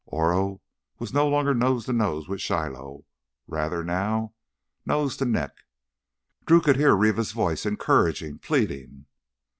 Oro was no longer nose to nose with Shiloh, rather now nose to neck. Drew could hear Rivas' voice encouraging, pleading....